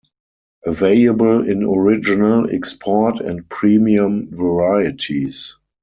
Available in original, export, and premium varieties.